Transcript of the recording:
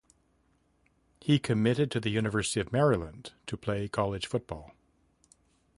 He committed to the University of Maryland to play college football.